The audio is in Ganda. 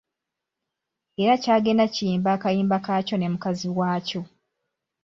Era kya genda kiyimba akayimba kakyo ne mukazi waakyo.